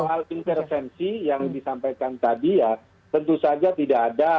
soal intervensi yang disampaikan tadi ya tentu saja tidak ada